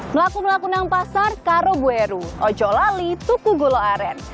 melaku melaku nampasar karobweru ocolali tukuguloaren